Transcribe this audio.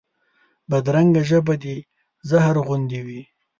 بدرنګه ژبه د زهر غوندې وي